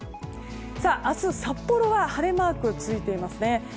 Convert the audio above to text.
明日、札幌は晴れマークがついていますね。